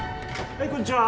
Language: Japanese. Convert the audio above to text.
はいこんにちは